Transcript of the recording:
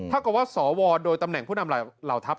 ถัวกับว่าสวรโดยตำแหน่งผู้นำเหล่าทรัพย์